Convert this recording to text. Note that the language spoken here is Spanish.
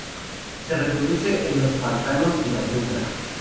Se reproduce en los pantanos y la tundra.